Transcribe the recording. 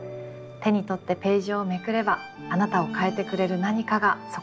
手に取ってページをめくればあなたを変えてくれる何かがそこにあるかもしれません。